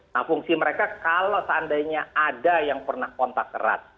nah fungsi mereka kalau seandainya ada yang pernah kontak erat